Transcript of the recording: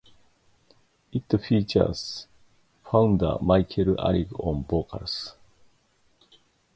It features founder Michael Alig on vocals.